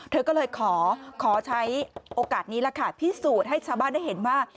เธอก็เลยขอใช้โอกาสนี้ล่ะค่ะพิสูจน์ให้ชาวบ้านได้เห็นว่า